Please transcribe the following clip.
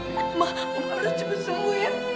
mama mama harus cepat sembuh ya